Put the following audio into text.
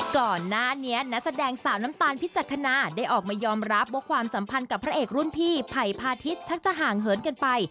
ก่อนหน้านี้นักแสดงสาวน้ำตาลพิจักษณาได้ออกมายอมรับว่าความสัมพันธ์กับพระเอกรุ่นพี่ไผ่พาทิศทักจะห่างเหินกันไป